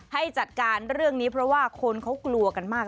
ให้จัดการเรื่องนี้เพราะว่าคนเขากลัวกันมาก